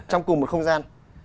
trong cùng một không gian